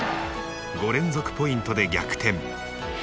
５連続ポイントで逆転。